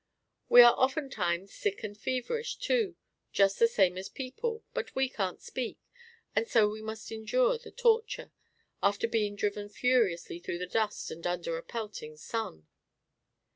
We are ofttimes sick and feverish, too, just the same as people, but we can't speak, and so we must endure the torture, after being driven furiously through the dust and under a pelting sun.